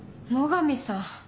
野上さん。